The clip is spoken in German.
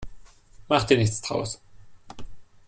Mach dir nichts daraus.